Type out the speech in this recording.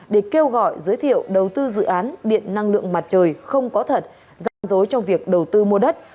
để kêu gọi giới thiệu đầu tư dự án điện năng lượng mặt trời không có thật gian dối trong việc đầu tư mua đất